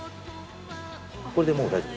これでもう大丈夫。